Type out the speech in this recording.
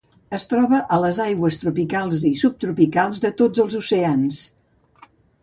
Es troba a les aigües tropicals i subtropicals de tots els oceans.